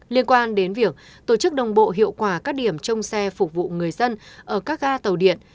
liên quan đến việc tổ chức đồng bộ hiệu quả các điểm trông xe phục vụ người dân ở các ga tàu điện